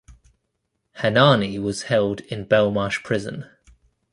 Hanani was held in Belmarsh Prison.